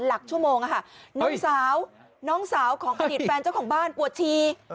หลักชั่วโมงค่ะน้องสาวน้องสาวของอดีตแฟนเจ้าของบ้านปวดชี